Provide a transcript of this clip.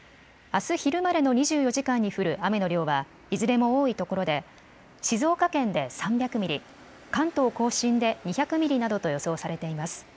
あす昼までの２４時間に降る雨の量はいずれも多いところで静岡県で３００ミリ、関東甲信で２００ミリなどと予想されています。